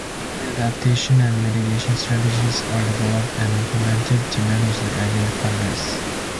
Finally, adaptation and mitigation strategies are developed and implemented to manage the identified risks.